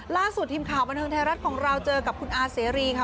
ล่าสุดทีมข่าวบันเทิงไทยรัฐของเราเจอกับคุณอาเสรีค่ะ